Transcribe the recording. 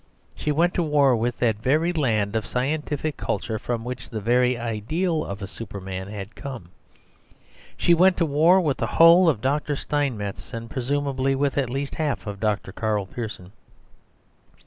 She went to war with that very land of scientific culture from which the very ideal of a Superman had come. She went to war with the whole of Dr. Steinmetz, and presumably with at least half of Dr. Karl Pearson.